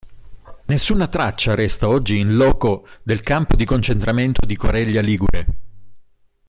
Nessuna traccia resta oggi in loco del campo di concentramento di Coreglia Ligure.